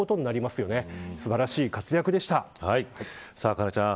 佳菜ちゃん